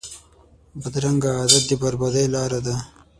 بدرنګه عادت د بربادۍ لاره ده